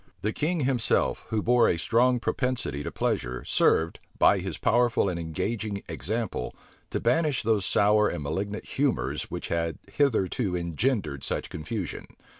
The king himself, who bore a strong propensity to pleasure, served, by his powerful and engaging example, to banish those sour and malignant humors which had hitherto engendered such confusion.